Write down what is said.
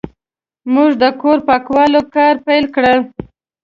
موږ د کور پاکولو کار پیل کړ.